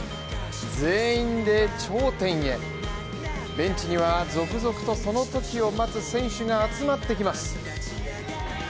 ベンチには続々とそのときを待つ選手が集まってきます。